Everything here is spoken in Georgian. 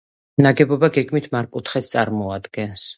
ნაგებობა გეგმით მართკუთხედს წარმოადგენს.